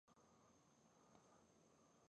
پښتون په ښځو او ماشومانو ګذار نه کوي.